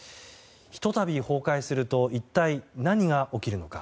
ひとたび崩壊すると一体、何が起きるのか。